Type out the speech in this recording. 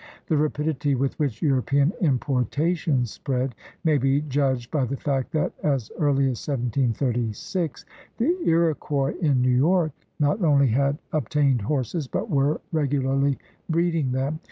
The rapidity with which European importations spread may be judged by the fact that as early as 1736 the Iroquois in THE RED MAN IN AMERICA 165 New York not only had obtained horses but were regularly breeding them.